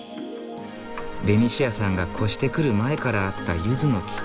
ベニシアさんが越してくる前からあったゆずの木。